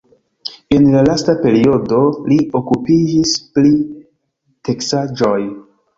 En la lasta periodo li okupiĝis pri teksaĵoj.